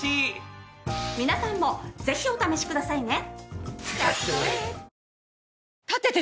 皆さんもぜひお試しくださいね。